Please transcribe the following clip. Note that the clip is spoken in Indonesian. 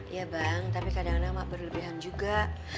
iya bang tapi kadang kadang berlebihan juga